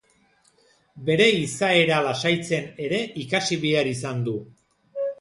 Bere izaera lasaitzen ere ikasi behar izan du.